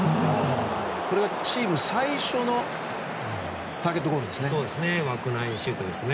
これはチーム最初のターゲットゴールですね。